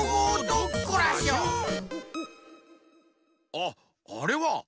あっあれは！